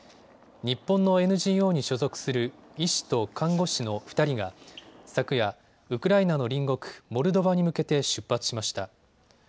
日本のＮＧＯに所属する医師と看護師の２人が昨夜、ウクライナの隣国モルドバに向けて出発しました。